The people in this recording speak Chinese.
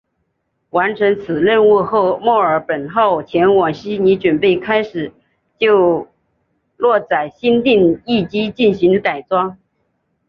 完成此任务后墨尔本号前往悉尼准备开始就搭载新定翼机进行改装。